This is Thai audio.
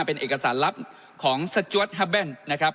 เป็นเอกสารลับของสจวดฮาแบนนะครับ